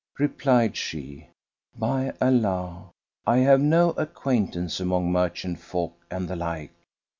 Replied she, "By Allah, I have no acquaintance among merchant folk and the like!